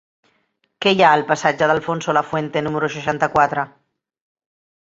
Què hi ha al passatge d'Alfonso Lafuente número seixanta-quatre?